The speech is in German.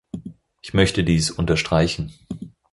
Ich möchte dies unterstreichen.